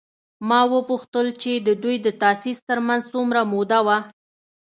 ما وپوښتل چې د دوی د تاسیس تر منځ څومره موده وه؟